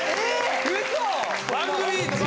え